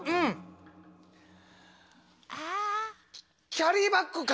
キャリーバッグか！